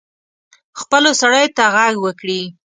خپلو سړیو ته ږغ وکړي.